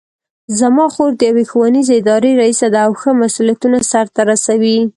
زما خور د یوې ښوونیزې ادارې ریسه ده او ښه مسؤلیتونه سرته رسوي